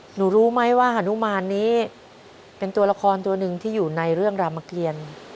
รู้ไหมว่าฮานุมานนี้เป็นตัวละครตัวหนึ่งที่อยู่ในเรื่องรามเกียร